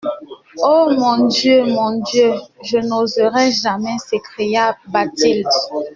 Ô mon Dieu ! mon Dieu ! je n'oserai jamais ! s'écria Bathilde.